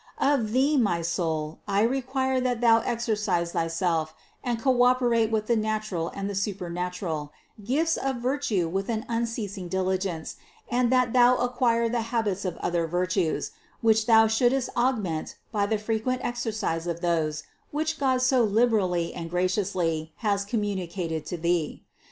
487. Of thee, my soul, I require that thou exercise thyself and co operate with the natural and the supernat ural, gifts of virtue with an unceasing diligence, and that thou acquire the habits of other virtues, which thou shouldst augment by the frequent exercise of those, which God so liberally and graciously has communicated to thee.